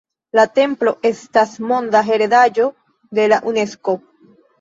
La templo estas monda heredaĵo de Unesko.